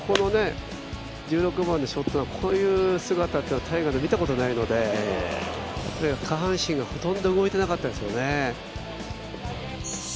１６番のショットは、こういう姿というのはタイガーは見たことないので下半身がほとんど動いていなかったですよね。